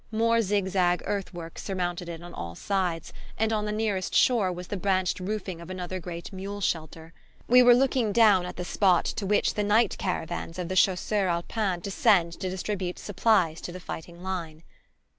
More zig zag earthworks surmounted it on all sides, and on the nearest shore was the branched roofing of another great mule shelter. We were looking down at the spot to which the night caravans of the Chasseurs Alpins descend to distribute supplies to the fighting line.